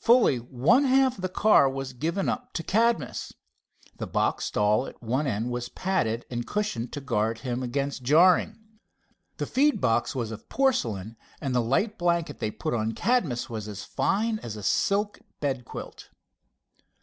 Fully one half of the car was given up to Cadmus. The box stall at one end was padded and cushioned to guard against jarring. The feed box was of porcelain, and the light blanket they put on Cadmus was as fine as a silk bedquilt.